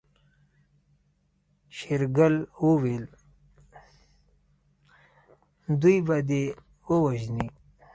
شېرګل وويل دوی به دې ووژني.